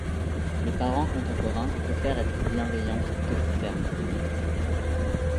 Les parents contemporains préfèrent être bienveillants, plutôt que fermes.